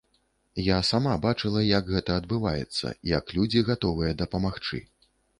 Я сама бачыла, як гэта адбываецца, як людзі гатовыя дапамагчы.